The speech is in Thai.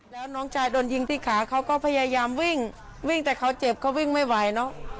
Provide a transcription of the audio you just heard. แล้วน้องชายโดนยิงที่ขาเขาก็พยายามวิ่งวิ่งแต่เขาเจ็บเขาวิ่งไม่ไหวเนอะ